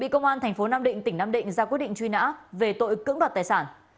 ra quyết định truy nã về tội cưỡng đoạt tài sản